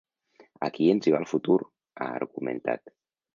Aquí ens hi va el futur, ha argumentat.